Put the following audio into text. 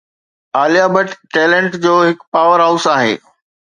Alia Bhatt talent جو هڪ powerhouse آهي